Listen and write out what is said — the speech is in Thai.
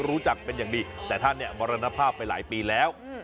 รู้จักเป็นอย่างดีแต่ท่านเนี่ยมรณภาพไปหลายปีแล้ว